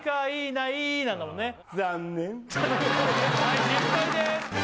いいね